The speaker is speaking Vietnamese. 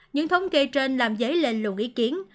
những thông kê trên làm dấy lên lùng ý kiến